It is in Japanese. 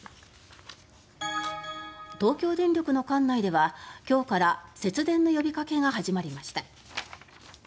東京電力の管内では今日から節電の呼びかけが始まりました。